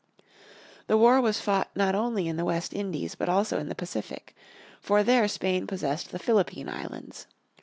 The war was fought not only in the West Indies but also in the Pacific. For there Spain possessed the Philippine Islands.